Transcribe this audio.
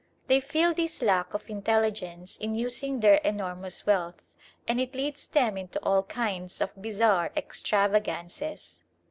They feel this lack of intelligence in using their enormous wealth, and it leads them into all kinds of bizarre extravagances.